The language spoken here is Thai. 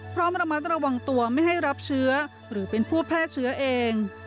พร้อมระมัดระวังตัวไม่ให้รับเชื้อหรือเป็นผู้แพร่เชื้อเอง